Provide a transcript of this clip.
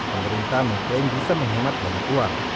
pemerintah mengklaim bisa menghemat banyak uang